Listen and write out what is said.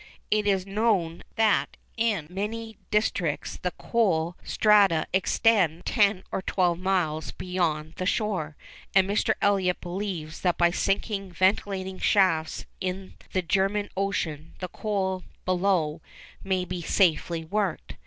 It is known that in many districts the coal strata extend ten or twelve miles beyond the shore; and Mr. Elliot believes that by sinking ventilating shafts in the German Ocean the coal below may be safely worked.